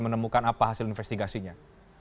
menemukan apa hasil investigasinya